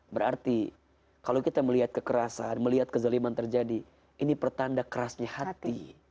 berarti kalau kita melihat kekerasan melihat kezaliman terjadi ini pertanda kerasnya hati